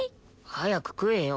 早く食えよ。